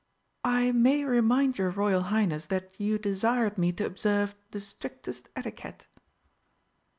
"I may remind your Royal Highness that you desired me to observe the strictest etiquette."